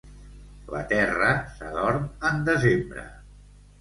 La terra s'adorm en desembre.